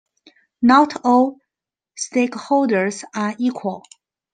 Not all stakeholders are equal.